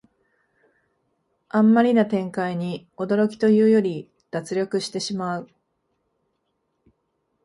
あんまりな展開に驚きというより脱力してしまう